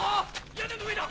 屋根の上だ！